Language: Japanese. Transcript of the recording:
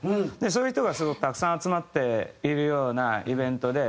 そういう人がすごくたくさん集まっているようなイベントで。